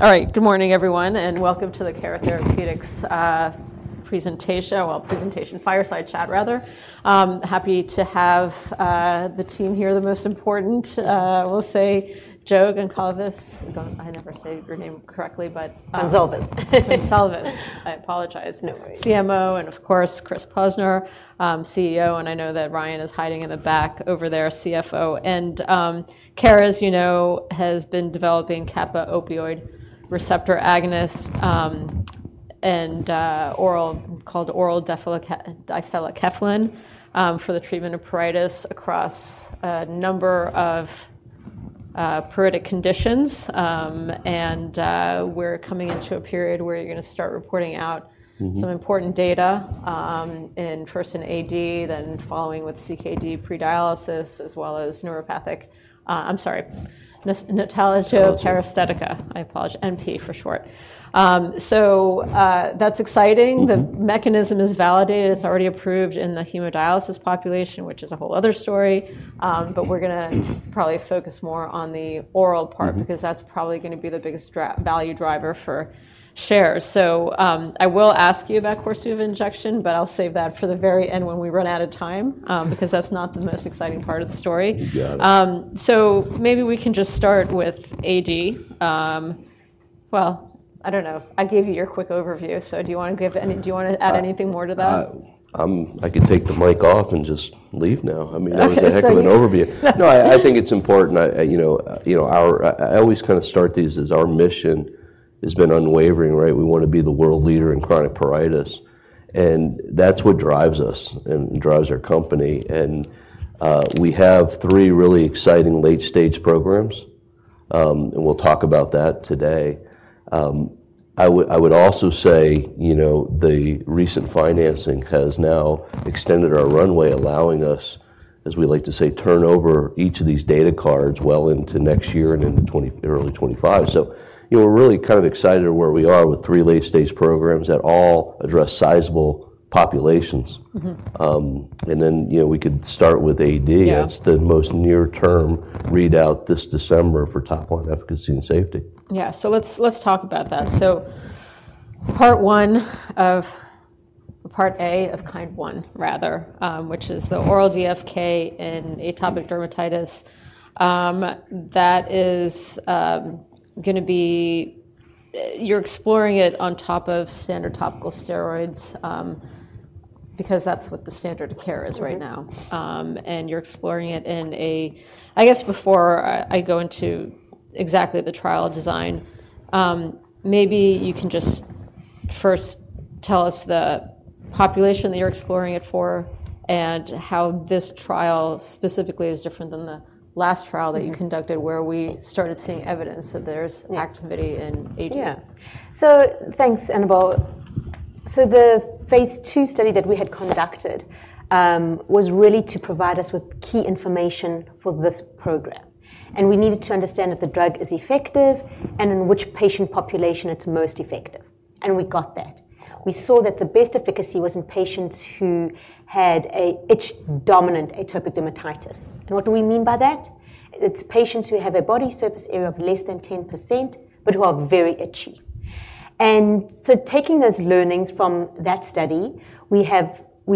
All right. Good morning, everyone, and welcome to the Cara Therapeutics presentation. Well, presentation, fireside chat rather. Happy to have the team here, the most important, we'll say, Jo Goncalves. I never say your name correctly, but- Goncalves. Goncalves, I apologize. No worries. CMO, and of course, Chris Posner, CEO, and I know that Ryan is hiding in the back over there, CFO. And, Cara, as you know, has been developing kappa-opioid receptor agonist, and oral difelikefalin for the treatment of pruritus across a number of pruritic conditions. And, we're coming into a period where you're gonna start reporting out some important data, in first in AD, then following with CKD pre-dialysis, as well as notalgia paresthetica. I apologize, NP for short. So, that's exciting. The mechanism is validated. It's already approved in the hemodialysis population, which is a whole other stor. But we're gonna probably focus more on the oral part because that's probably gonna be the biggest value driver for shares. So, I will ask you about Korsuva injection, but I'll save that for the very end when we run out of time, because that's not the most exciting part of the story. You got it. So maybe we can just start with AD. Well, I don't know. I gave you your quick overview, so do you want to add anything more to that? I could take the mic off and just leave now. Okay, so. I mean, that was a heck of an overview. I think it's important, you know, I always kind of start these as our mission has been unwavering, right? We want to be the world leader in chronic pruritus, and that's what drives us and drives our company. And we have three really exciting late-stage programs, and we'll talk about that today. I would also say, you know, the recent financing has now extended our runway, allowing us, as we like to say, turn over each of these data cards well into next year and into 2024, early 2025. So you're really kind of excited where we are with three late-stage programs that all address sizable populations. Mm-hmm. And then, you know, we could start with AD. Yeah. It's the most near-term readout this December for top-line efficacy and safety. Yeah. So let's, let's talk about that. So part one of, Part A of KIND 1, rather, which is the oral DFK in atopic dermatitis, that is, gonna be... You're exploring it on top of standard topical steroids, because that's what the standard of care is right now. And you're exploring it in a... I guess before I go into exactly the trial design, maybe you can just first tell us the population that you're exploring it for and how this trial specifically is different than the last trial? Mm-hmm... that you conducted, where we started seeing evidence that there's activity in AD. Yeah. So thanks, Annabel. So the phase II study that we had conducted was really to provide us with key information for this program, and we needed to understand if the drug is effective and in which patient population it's most effective, and we got that. We saw that the best efficacy was in patients who had an itch-dominant atopic dermatitis. And what do we mean by that? It's patients who have a body surface area of less than 10%, but who are very itchy. And so taking those learnings from that study, we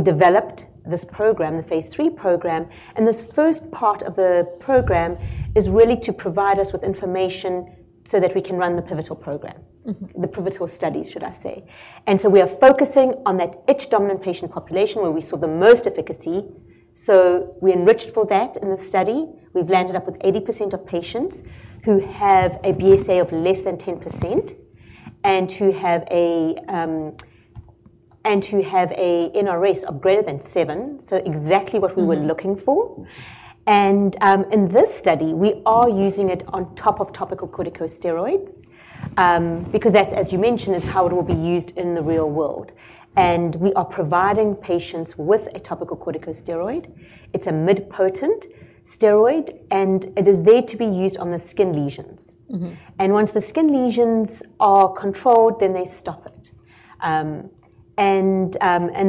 developed this program, the phase III program, and this first part of the program is really to provide us with information so that we can run the pivotal program. Mm-hmm. The pivotal studies, should I say. So we are focusing on that itch-dominant patient population where we saw the most efficacy, so we enriched for that in the study. We've landed up with 80% of patients who have a BSA of less than 10%, and who have a NRS of greater than seven, so exactly what we were looking for. Mm-hmm. In this study, we are using it on top of topical corticosteroids, because that's, as you mentioned, is how it will be used in the real world. We are providing patients with a topical corticosteroid. It's a mid-potent steroid, and it is there to be used on the skin lesions. Mm-hmm. Once the skin lesions are controlled, then they stop it.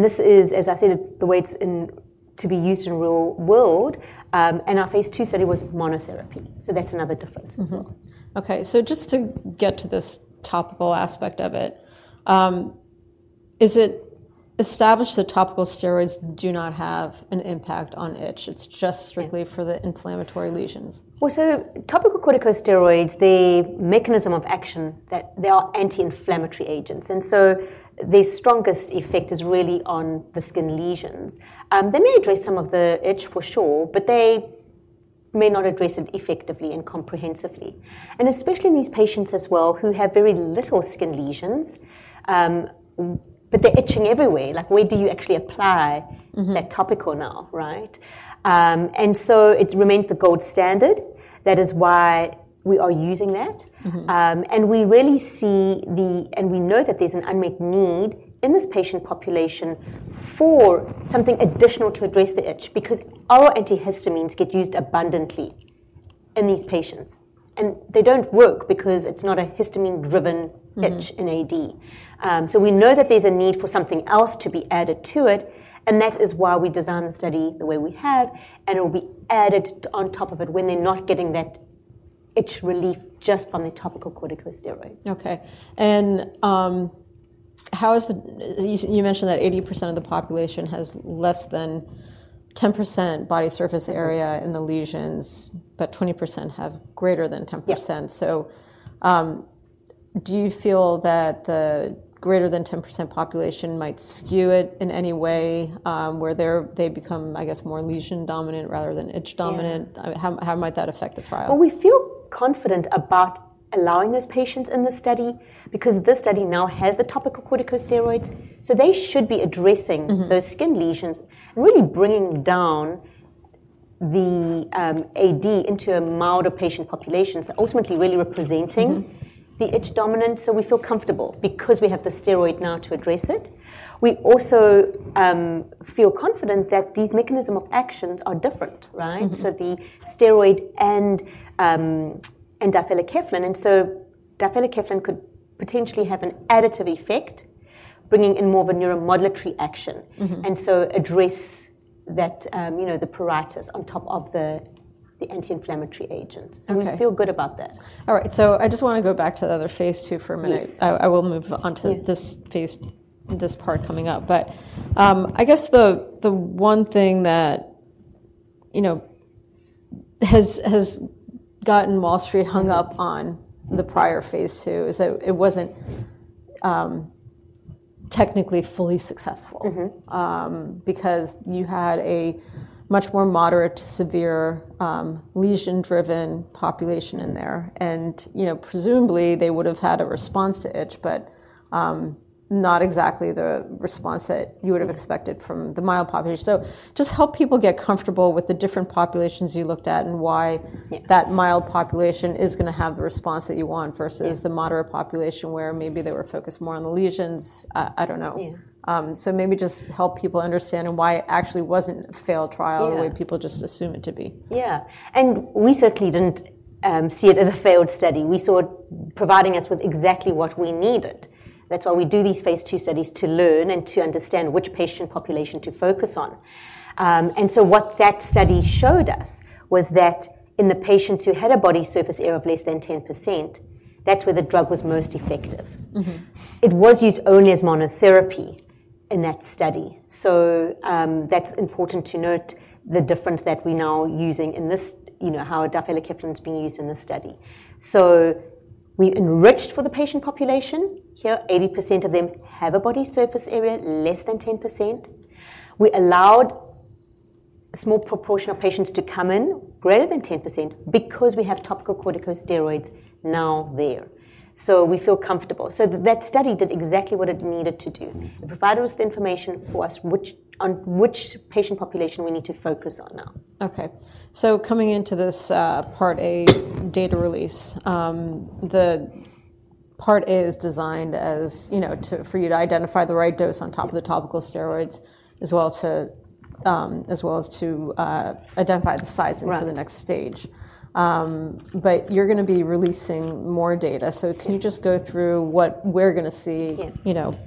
This is, as I said, it's the way it's intended to be used in real world, and our phase II study was monotherapy, so that's another difference as well. Mm-hmm. Okay, so just to get to this topical aspect of it, is it established that topical steroids do not have an impact on itch? Yeah. It's just strictly for the inflammatory lesions? Well, so topical corticosteroids, the mechanism of action, that they are anti-inflammatory agents, and so the strongest effect is really on the skin lesions. They may address some of the itch for sure, but they may not address it effectively and comprehensively. And especially in these patients as well, who have very little skin lesions, but they're itching everywhere. Like, where do you actually apply that topical now, right? And so it remains the gold standard. That is why we are using that. Mm-hmm. And we really see, and we know that there's an unmet need in this patient population for something additional to address the itch, because our antihistamines get used abundantly in these patients, and they don't work because it's not a histamine-driven itch in AD. So we know that there's a need for something else to be added to it, and that is why we designed the study the way we have, and it will be added on top of it when they're not getting that itch relief just from the topical corticosteroids. Okay. And how is the you mentioned that 80% of the population has less than 10% body surface area in the lesions, but 20% have greater than 10%? Yeah. Do you feel that the greater than 10% population might skew it in any way, where they become, I guess, more lesion dominant rather than itch dominant? Yeah. I mean, how might that affect the trial? Well, we feel confident about allowing those patients in the study, because this study now has the topical corticosteroids, so they should be addressing those skin lesions, and really bringing down the, AD into a milder patient population. So ultimately, really representing the itch dominant. So we feel comfortable because we have the steroid now to address it. We also feel confident that these mechanism of actions are different, right? Mm-hmm. So the steroid and difelikefalin. So difelikefalin could potentially have an additive effect, bringing in more of a neuromodulatory action. Mm-hmm. And so address that, you know, the pruritus on top of the anti-inflammatory agent. Okay. So we feel good about that. All right, so I just want to go back to the other phase II for a minute. Please. I will move on to this phase, this part coming up. But, I guess the one thing that, you know, has gotten Wall Street hung up on the prior phase II, is that it wasn't, technically fully successful. Because you had a much more moderate to severe, lesion-driven population in there. And, you know, presumably, they would have had a response to itch, but not exactly the response that you would have expected from the mild population. So just help people get comfortable with the different populations you looked at, and why that mild population is going to have the response that you want, versus the moderate population, where maybe they were focused more on the lesions. I don't know. Yeah. So maybe just help people understand and why it actually wasn't a failed trial the way people just assume it to be. Yeah. We certainly didn't see it as a failed study. We saw it providing us with exactly what we needed. That's why we do these phase II studies, to learn and to understand which patient population to focus on. And so what that study showed us was that in the patients who had a body surface area of less than 10%, that's where the drug was most effective. Mm-hmm. It was used only as monotherapy in that study. So, that's important to note the difference that we're now using in this. You know, how difelikefalin is being used in this study. So we enriched for the patient population. Here, 80% of them have a body surface area less than 10%. We allowed a small proportion of patients to come in greater than 10% because we have topical corticosteroids now there, so we feel comfortable. So that study did exactly what it needed to do. Mm-hmm. It provided us the information for us, which, on which patient population we need to focus on now. Okay. So coming into this, Part A data release, the Part A is designed as, you know, to, for you to identify the right dose on top of the topical steroids, as well as to identify the sizing. Right. For the next stage. But you're going to be releasing more data. So can you just go through what we're going to see? Yeah. You know,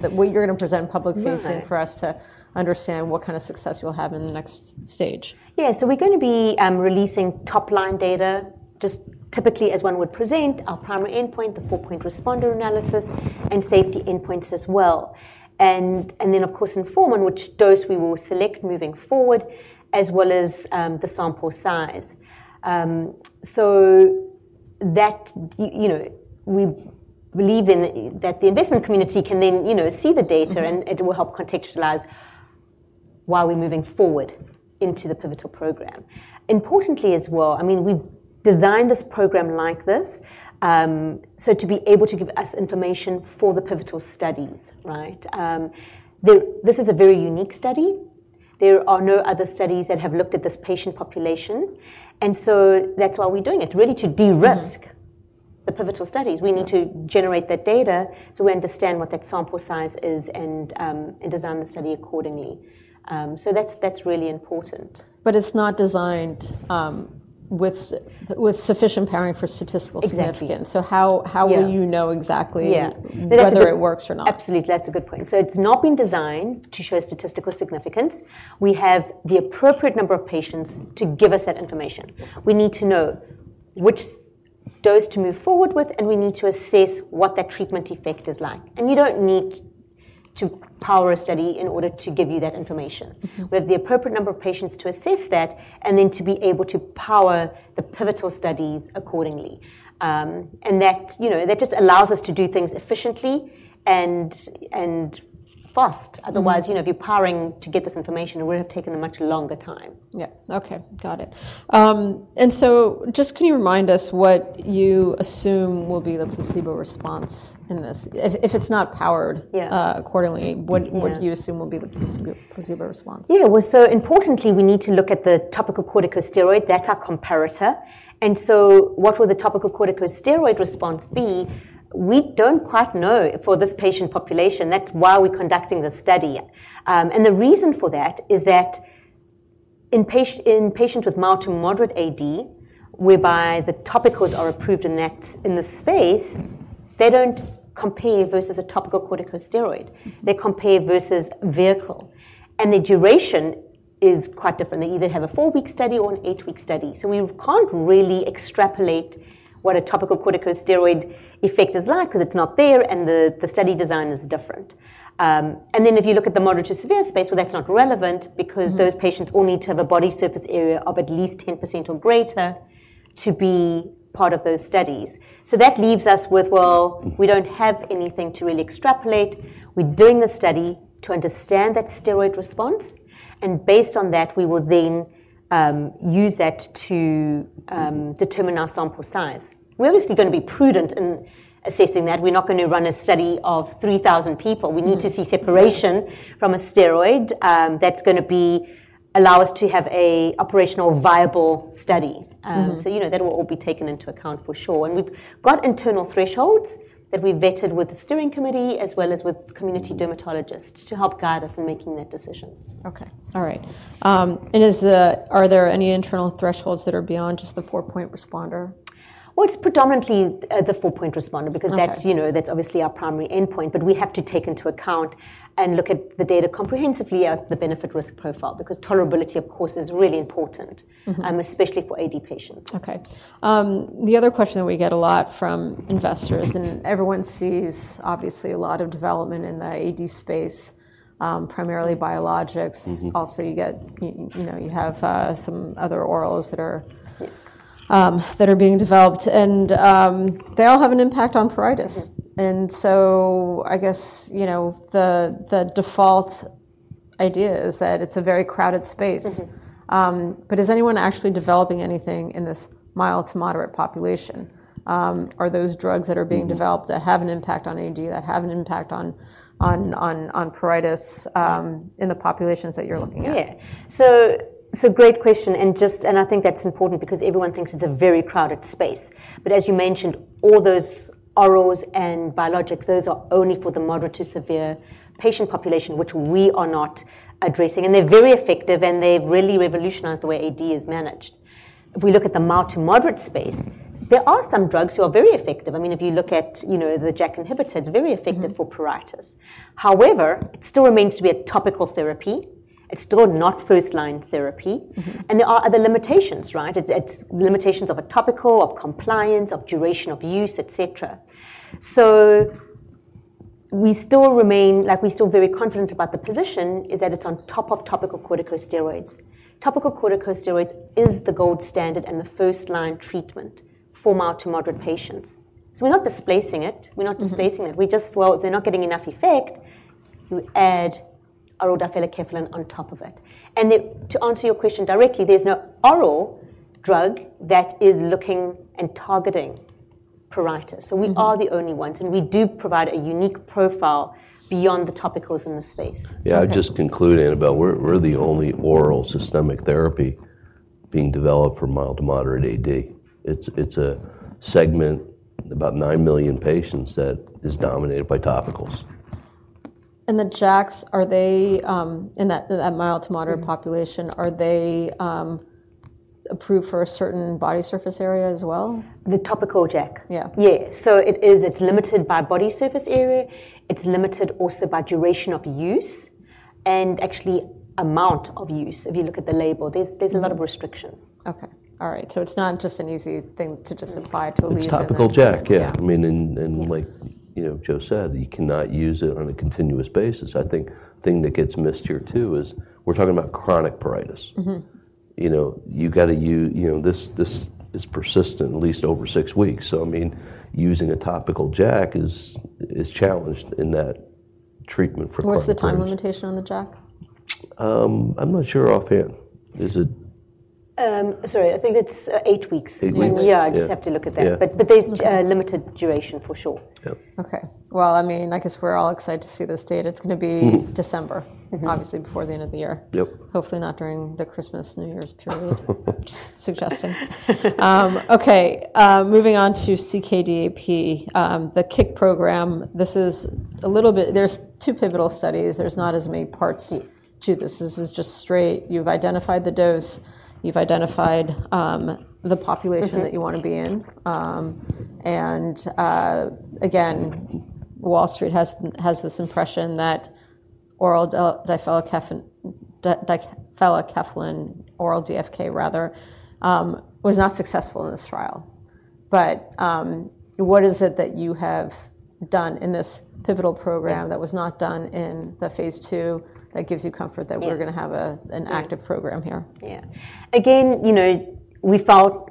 that's what you're going to present public-facing for us to understand what kind of success you'll have in the next stage. Yeah. So we're going to be releasing top line data, just typically as one would present, our primary endpoint, the 4-point responder analysis, and safety endpoints as well. And, and then, of course, inform on which dose we will select moving forward, as well as the sample size. So that, you know, we believe then, that the investment community can then, you know, see the data and it will help contextualize why we're moving forward into the pivotal program. Importantly, as well, I mean, we've designed this program like this, so to be able to give us information for the pivotal studies, right? This is a very unique study. There are no other studies that have looked at this patient population, and so that's why we're doing it, really to de-risk the pivotal studies. Yeah. We need to generate that data so we understand what that sample size is and design the study accordingly. So that's really important. But it's not designed with sufficient powering for statistical significance. Exactly. So how will you know exactly whether it works or not? Absolutely. That's a good point. So it's not been designed to show statistical significance. We have the appropriate number of patients to give us that information. Yeah. We need to know which dose to move forward with, and we need to assess what that treatment effect is like. You don't need to power a study in order to give you that information. Mm-hmm. We have the appropriate number of patients to assess that, and then to be able to power the pivotal studies accordingly. And that, you know, that just allows us to do things efficiently and fast. Mm-hmm. Otherwise, you know, if you're powering to get this information, it would have taken a much longer time. Yeah. Okay, got it. And so just can you remind us what you assume will be the placebo response in this? If it's not powered accordingly what do you assume will be the placebo response? Yeah. Well, so importantly, we need to look at the topical corticosteroid. That's our comparator. And so what will the topical corticosteroid response be? We don't quite know for this patient population. That's why we're conducting the study. And the reason for that is that in patients with mild to moderate AD, whereby the topicals are approved in that space, they don't compare versus a topical corticosteroid. Mm-hmm. They compare versus vehicle, and the duration is quite different. They either have a 4-week study or an 8-week study. So we can't really extrapolate what a topical corticosteroid effect is like, 'cause it's not there, and the study design is different. And then if you look at the moderate-to-severe space, well, that's not relevant because those patients all need to have a body surface area of at least 10% or greater to be part of those studies. So that leaves us with, well, we don't have anything to really extrapolate. We're doing the study to understand that steroid response, and based on that, we will then use that to determine our sample size. We're obviously gonna be prudent in assessing that. We're not gonna run a study of 3,000 people. We need to see separation from a steroid. That's gonna be... allow us to have an operational, viable study. Mm-hmm. So, you know, that will all be taken into account for sure, and we've got internal thresholds that we've vetted with the steering committee as well as with community dermatologists to help guide us in making that decision. Okay. All right. And are there any internal thresholds that are beyond just the 4-point responder? Well, it's predominantly the four-point responder because that's, you know, that's obviously our primary endpoint. But we have to take into account and look at the data comprehensively at the benefit-risk profile, because tolerability, of course, is really important especially for AD patients. Okay. The other question that we get a lot from investors, and everyone sees obviously a lot of development in the AD space, primarily biologics. Mm-hmm. Also, you get, you know, you have some other orals that are being developed, and they all have an impact on pruritus. So I guess, you know, the default idea is that it's a very crowded space. Mm-hmm. But is anyone actually developing anything in this mild to moderate population? Are those drugs that are being developed that have an impact on AD, that have an impact on pruritus, in the populations that you're looking at? Yeah. So, so great question, and just, and I think that's important because everyone thinks it's a very crowded space. But as you mentioned, all those orals and biologics, those are only for the moderate to severe patient population, which we are not addressing. And they're very effective, and they've really revolutionized the way AD is managed. If we look at the mild to moderate space, there are some drugs who are very effective. I mean, if you look at, you know, the JAK inhibitors, very effective for pruritus. However, it still remains to be a topical therapy. It's still not first-line therapy. Mm-hmm. There are other limitations, right? It's limitations of a topical, of compliance, of duration, of use, et cetera. So we still remain... Like, we're still very confident about the position, is that it's on top of topical corticosteroids. Topical corticosteroids is the gold standard and the first-line treatment for mild to moderate patients. So we're not displacing it. We're not displacing it. Mm-hmm. Well, they're not getting enough effect, you add oral difelikefalin on top of it. And it, to answer your question directly, there's no oral drug that is looking and targeting pruritus. We are the only ones, and we do provide a unique profile beyond the topicals in the space. Yeah, I'll just conclude, Annabel, we're the only oral systemic therapy being developed for mild to moderate AD. It's a segment, about 9 million patients, that is dominated by topicals. The JAKs, are they in that mild to moderate population, are they approved for a certain body surface area as well? The topical JAK? Yeah. Yeah. So it is, it's limited by body surface area. It's limited also by duration of use and actually amount of use. If you look at the label, there's, there's a lot of restriction. Okay. All right. So it's not just an easy thing to just apply to leave it on. It's topical JAK, yeah. Yeah. I mean, you know, Jo said, you cannot use it on a continuous basis. I think the thing that gets missed here, too, is we're talking about chronic pruritus. Mm-hmm. You know, you've gotta use... You know, this is persistent at least over six weeks. So I mean, using a topical JAK is challenged in that treatment for chronic pruritus. What's the time limitation on the JAK? I'm not sure offhand. Is it? Sorry, I think it's eight weeks. Eight weeks? Yeah. Yeah. I'd just have to look at that. Yeah. But there'sa limited duration, for sure. Yep. Okay. Well, I mean, I guess we're all excited to see this date. It's gonna be December obviously before the end of the year. Yep. Hopefully not during the Christmas, New Year's period. Just suggesting. Okay, moving on to CKD-AP, the KICK Program, this is a little bit... There's two pivotal studies. There's not as many parts to this. This is just straight, you've identified the dose, you've identified, the population that you want to be in. And again, Wall Street has this impression that oral difelikefalin, oral DFK rather, was not successful in this trial. But what is it that you have done in this pivotal program that was not done in the phase II that gives you comfort that we're gonna have an active program here? Yeah. Again, you know, we found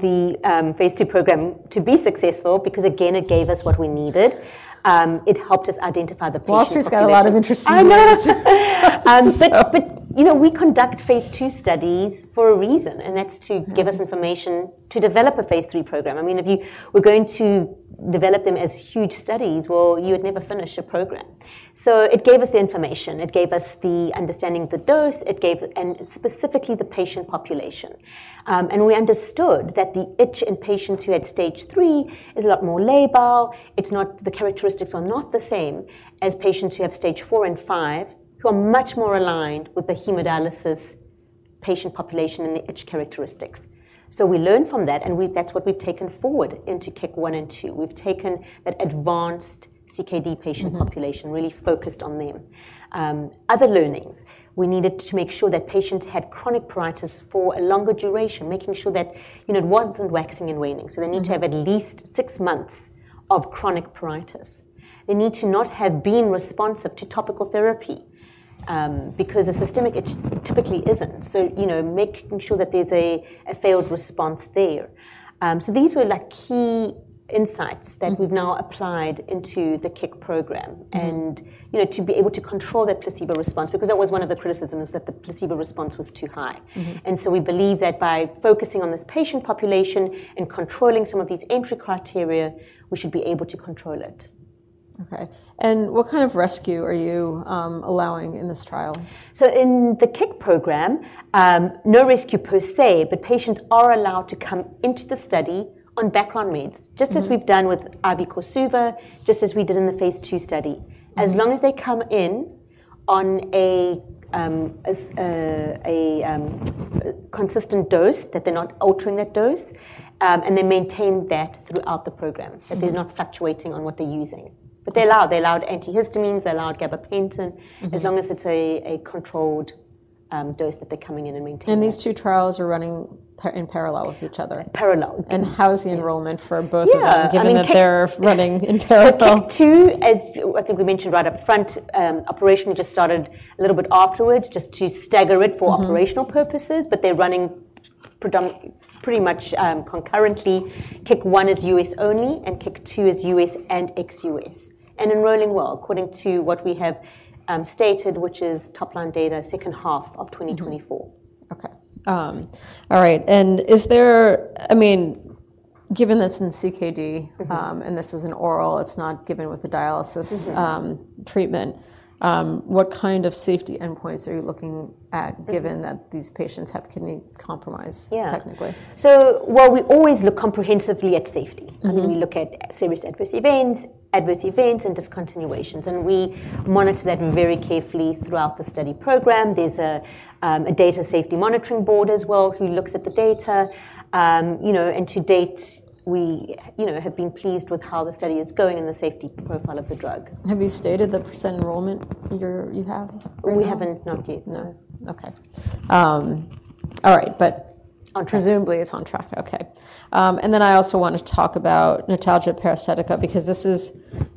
the phase II program to be successful because, again, it gave us what we needed. It helped us identify the patient population. Wall Street's got a lot of interesting views. I know. But you know, we conduct phase II studies for a reason, and that's to give us information to develop a phase III program. I mean, if you were going to develop them as huge studies, well, you would never finish a program. So it gave us the information, it gave us the understanding of the dose, it gave... and specifically the patient population. And we understood that the itch in patients who had Stage 3 is a lot more labile. It's not, the characteristics are not the same as patients who have Stage 4 and 5, who are much more aligned with the hemodialysis-... patient population and the itch characteristics. So we learned from that, and that's what we've taken forward into KICK 1 and 2. We've taken that advanced CKD patient population really focused on them. Other learnings, we needed to make sure that patients had chronic pruritus for a longer duration, making sure that, you know, it wasn't waxing and waning. Mm-hmm. So they need to have at least six months of chronic pruritus. They need to not have been responsive to topical therapy, because a systemic itch typically isn't. So, you know, making sure that there's a failed response there. So these were like key insights that we've now applied into the KICK Program. Mm-hmm. You know, to be able to control that placebo response, because that was one of the criticisms, that the placebo response was too high. Mm-hmm. And so we believe that by focusing on this patient population and controlling some of these entry criteria, we should be able to control it. Okay. And what kind of rescue are you allowing in this trial? In the KICK Program, no rescue per se, but patients are allowed to come into the study on background meds. Just as we've done with IV Korsuva, just as we did in the phase II study. As long as they come in on a consistent dose, that they're not altering that dose, and they maintain that throughout the program. That they're not fluctuating on what they're using. But they're allowed. They're allowed antihistamines, they're allowed gabapentin as long as it's a controlled dose that they're coming in and maintaining. These two trials are running in parallel with each other? Parallel. How is the enrollment for both of them? Yeah, I mean. Given that they're running in parallel? So KICK 2, as I think we mentioned right up front, operationally just started a little bit afterwards, just to stagger it for operational purposes, but they're running pretty much concurrently. KICK 1 is U.S. only, and KICK 2 is U.S. and ex-U.S., and enrolling well, according to what we have stated, which is top line data, second half of 2024. Mm-hmm. Okay. All right, and is there... I mean, given that it's in CKD and this is an oral, it's not given with the dialysis treatment, what kind of safety endpoints are you looking at, given that these patients have kidney compromise? Yeah. So, well, we always look comprehensively at safety. Mm-hmm. We look at serious adverse events, adverse events, and discontinuations, and we monitor that very carefully throughout the study program. There's a data safety monitoring board as well, who looks at the data. You know, and to date, we, you know, have been pleased with how the study is going and the safety profile of the drug. Have you stated the percent enrollment you have right now? We haven't. No, Kate. No? Okay. All right, but. On track Presumably, it's on track. Okay. And then I also want to talk about notalgia paresthetica, because this is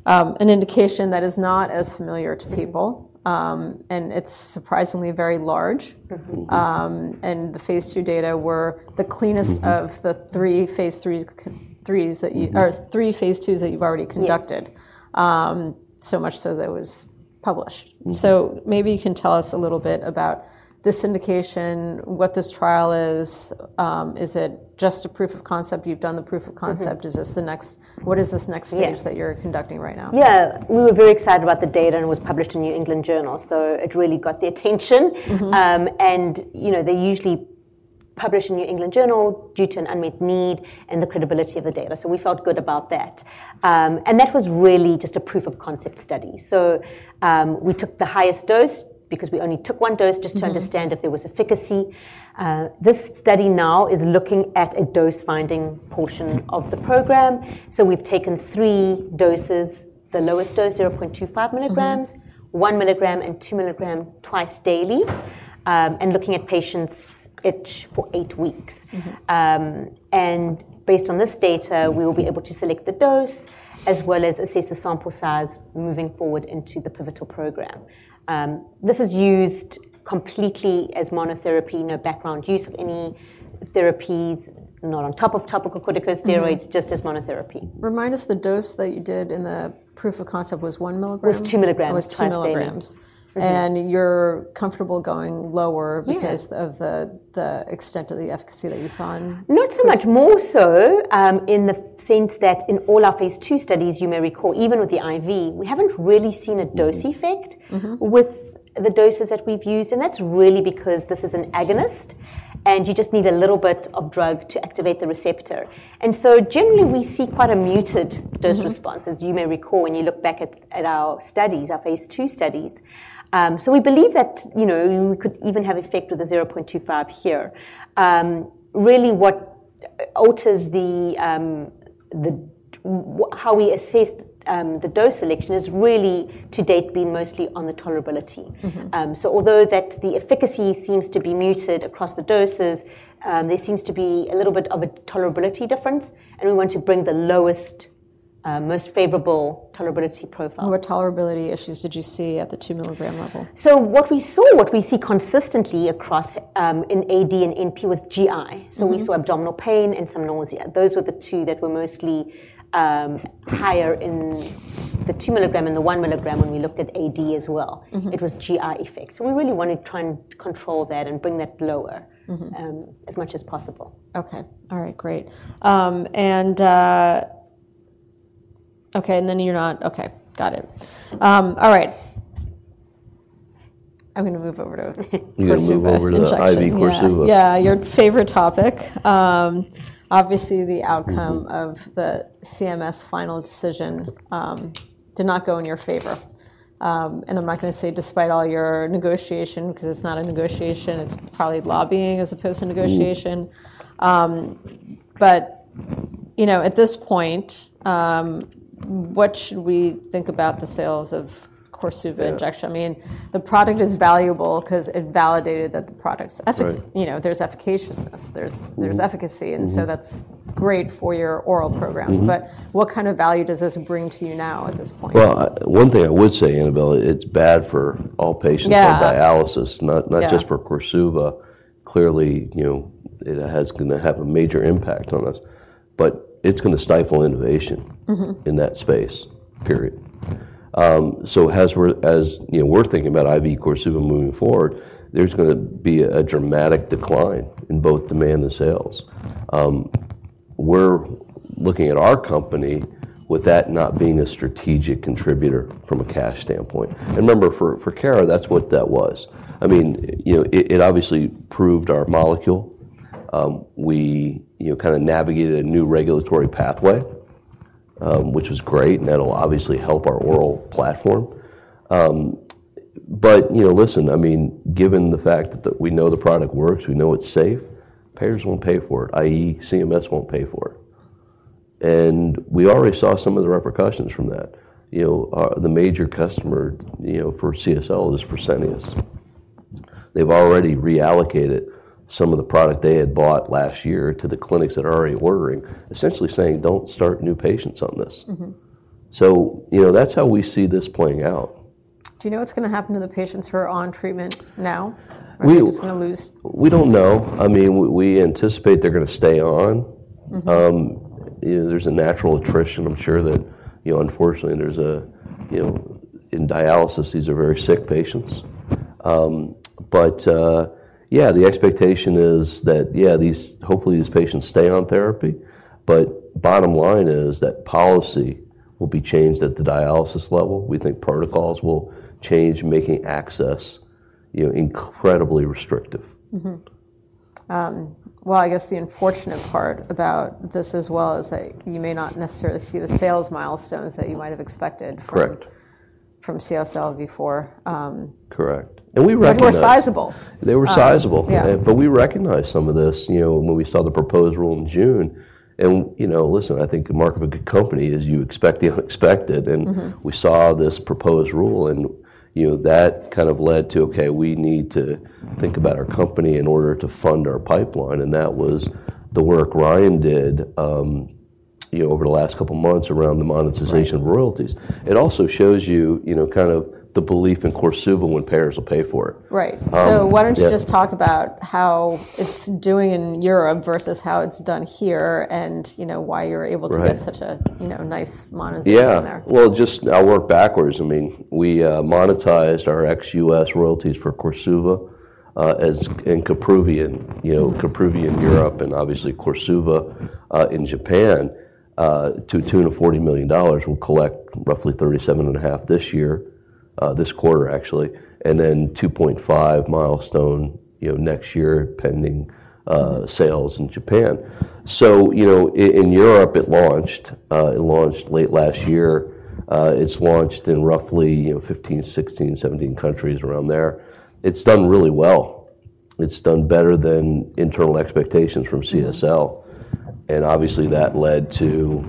an indication that is not as familiar to people, and it's surprisingly very large. Mm-hmm. The phase II data were the cleanes of the three phase IIIs that you or three phase IIs that you've already conducted. Yeah. So much so that it was published. Mm-hmm. Maybe you can tell us a little bit about this indication, what this trial is. Is it just a proof of concept? You've done the proof of concept. Mm-hmm. What is this next stage that you're conducting right now? Yeah. We were very excited about the data, and it was published in New England Journal, so it really got the attention. Mm-hmm. You know, they usually publish in New England Journal due to an unmet need and the credibility of the data, so we felt good about that. That was really just a proof of concept study. We took the highest dose because we only took one dose just to understand if there was efficacy. This study now is looking at a dose-finding portion of the program. So we've taken three doses, the lowest dose, 0.25 mg, 1 mg, and 2 mg, twice daily, and looking at patients' itch for eight weeks. Mm-hmm. Based on this data, we will be able to select the dose as well as assess the sample size moving forward into the pivotal program. This is used completely as monotherapy, no background use of any therapies, not on top of topical corticosteroids just as monotherapy. Remind us, the dose that you did in the proof of concept was 1 mg? Was 2 mg. It was 2 mg. Twice daily. You're comfortable going lower. Yeah. Because of the extent of the efficacy that you saw in? Not so much. More so, in the sense that in all our phase II studies, you may recall, even with the IV, we haven't really seen a dose effect with the doses that we've used, and that's really because this is an agonist, and you just need a little bit of drug to activate the receptor. So generally, we see quite a muted dose response as you may recall, when you look back at our studies, our phase II studies. So we believe that, you know, we could even have effect with a 0.25 here. Really, what alters the way we assess the dose selection is really, to date, been mostly on the tolerability. Mm-hmm. So although that the efficacy seems to be muted across the doses, there seems to be a little bit of a tolerability difference, and we want to bring the lowest, most favorable tolerability profile. What tolerability issues did you see at the 2-mg level? So what we saw, what we see consistently across, in AD and NP, was GI. So we saw abdominal pain and some nausea. Those were the two that were mostly higher in the 2 mg and the 1 mg when we looked at AD as well. Mm-hmm. It was GI effects. So we really want to try and control that and bring that lower as much as possible. Okay. All right, great. Okay, and then you're not... Okay, got it. All right. I'm gonna move over to. You're gonna move over to the IV course. Yeah, yeah, your favorite topic. Obviously, the outcome of the CMS final decision, did not go in your favor. I'm not gonna say despite all your negotiation, 'cause it's not a negotiation, it's probably lobbying as opposed to negotiation. Mm-hmm. You know, at this point, what should we think about the sales of Korsuva injection? Yeah. I mean, the product is valuable 'cause it validated that the product's efficacy. Right. You know, there's efficaciousness, there's efficacy. Mm-hmm. That's great for your oral programs. Mm-hmm. But what kind of value does this bring to you now at this point? Well, one thing I would say, Annabel, it's bad for all patients. Yeah. On dialysis, not just for Korsuva. Clearly, you know, it's gonna have a major impact on us, but it's gonna stifle innovation in that space, period. So as we're, you know, we're thinking about IV Korsuva moving forward, there's gonna be a dramatic decline in both demand and sales. We're looking at our company with that not being a strategic contributor from a cash standpoint. And remember, for Cara, that's what that was. I mean, you know, it obviously proved our molecule. We, you know, kinda navigated a new regulatory pathway, which was great, and that'll obviously help our oral platform. But, you know, listen, I mean, given the fact that we know the product works, we know it's safe, payers won't pay for it, i.e., CMS won't pay for it. And we already saw some of the repercussions from that. You know, the major customer, you know, for CSL is Fresenius. They've already reallocated some of the product they had bought last year to the clinics that are already ordering, essentially saying: Don't start new patients on this. Mm-hmm. You know, that's how we see this playing out. Do you know what's gonna happen to the patients who are on treatment now? Are they just gonna lose? We don't know. I mean, we anticipate they're gonna stay on. Mm-hmm. You know, there's a natural attrition. I'm sure that, you know, unfortunately, there's a, you know... In dialysis, these are very sick patients. But, yeah, the expectation is that, yeah, these patients hopefully stay on therapy. But bottom line is that policy will be changed at the dialysis level. We think protocols will change, making access, you know, incredibly restrictive. Mm-hmm. Well, I guess the unfortunate part about this as well is that you may not necessarily see the sales milestones that you might have expected from CSL before. Correct. And we recognize. They were sizable. They were sizable. Yeah. But we recognized some of this, you know, when we saw the proposed rule in June. And, you know, listen, I think the mark of a good company is you expect the unexpected. Mm-hmm. We saw this proposed rule, and, you know, that kind of led to, okay, we need to think about our company in order to fund our pipeline, and that was the work Ryan did, you know, over the last couple of months around the monetization of royalties. It also shows you, you know, kind of the belief in Korsuva when payers will pay for it. Right. Um, yeah. Why don't you just talk about how it's doing in Europe versus how it's done here, and, you know, why you're able to get such a, you know, nice monetization there? Yeah. Well, just I'll work backwards. I mean, we monetized our ex-U.S. royalties for Korsuva, as and Kapruvia, you know, Kapruvia in Europe and obviously Korsuva in Japan to $240 million. We'll collect roughly $37.5 million this quarter, actually, and then $2.5 million milestone, you know, next year, pending sales in Japan. So, you know, in Europe, it launched late last year. It's launched in roughly 15-17 countries around there. It's done really well. It's done better than internal expectations from CSL, and obviously, that led to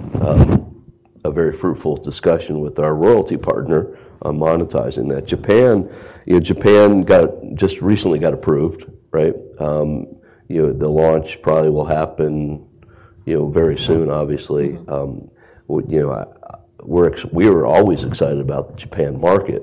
a very fruitful discussion with our royalty partner on monetizing that. Japan, you know, Japan just recently got approved, right? You know, the launch probably will happen very soon, obviously. Mm-hmm. Well, you know, we were always excited about the Japan market.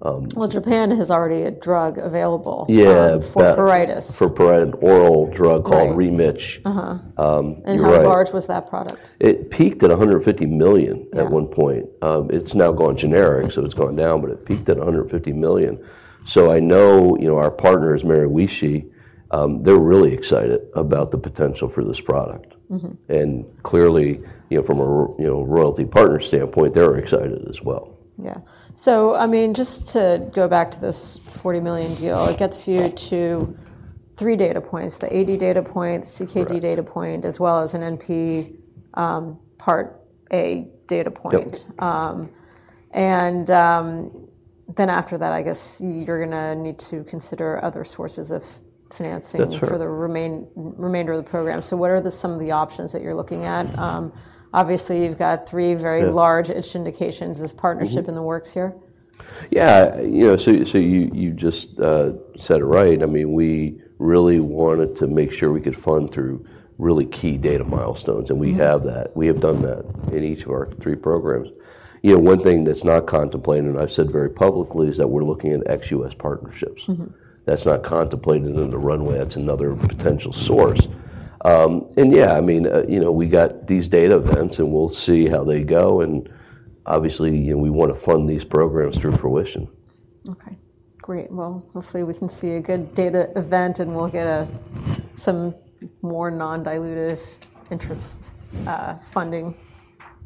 Well, Japan has already a drug available. Yeah. For pruritus. For pruritus, an oral drug called Remitch. Uh-huh. You're right. How large was that product? It peaked at $150 million at one point. It's now gone generic, so it's gone down, but it peaked at $150 million. So I know, you know, our partners, Maruho, they're really excited about the potential for this product. Mm-hmm. Clearly, you know, from a royalty partner standpoint, they're excited as well. Yeah. So I mean, just to go back to this $40 million deal, it gets you to three data points: the AD data point, CKD data point, as well as an NP, Part A data point. Yep. Then after that, I guess you're gonna need to consider other sources of financing. That's right. For the remainder of the program. So what are some of the options that you're looking at? Mm-hmm. Obviously, you've got three very large itch indication, this partnership in the works here. Yeah. You know, so you just said it right. I mean, we really wanted to make sure we could fund through really key data milestones and we have that. We have done that in each of our three programs. You know, one thing that's not contemplated, and I've said very publicly, is that we're looking at ex-U.S. partnerships. Mm-hmm. That's not contemplated in the runway. That's another potential source. And yeah, I mean, you know, we got these data events, and we'll see how they go, and obviously, you know, we want to fund these programs through fruition. Okay. Great. Well, hopefully, we can see a good data event, and we'll get some more non-dilutive interest, funding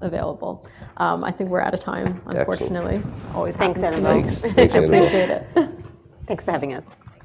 available. I think we're out of time unfortunately. Always happens to me. Thanks, Annabel. Thanks. Thank you. Appreciate it. Thanks for having us.